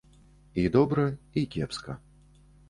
І добра, і кепска.